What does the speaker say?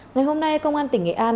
ngày hôm nay công an tỉnh nghệ an